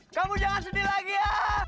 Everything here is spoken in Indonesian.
kamu jangan sedih lagi ya